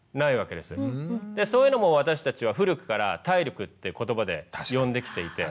でそういうのも私たちは古くから「体力」って言葉で呼んできていて。